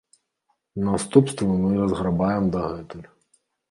Наступствы мы разграбаем дагэтуль.